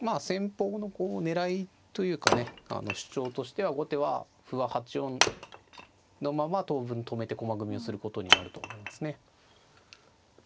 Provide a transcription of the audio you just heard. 主張としては後手は歩は８四のまま当分とめて駒組みをすることになると思いますね。